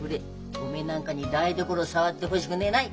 おめえなんかに台所触っでほしぐねえない！